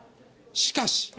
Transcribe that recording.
しかし。